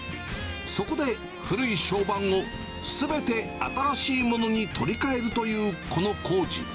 そこで、古い床版をすべて新しいものに取り換えるというこの工事。